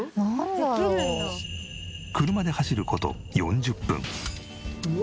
車で走る事４０分。